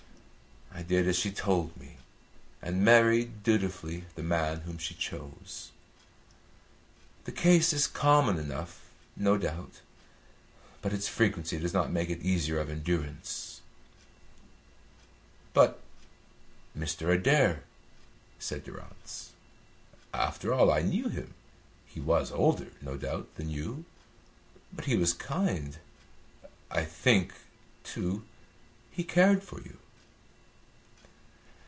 I did as she told me and married dutifully the man whom she chose. The case is common enough, no doubt, but its frequency does not make it easier of endurance." "But Mr. Adair?" said Durrance. "After all, I knew him. He was older, no doubt, than you, but he was kind. I think, too, he cared for you."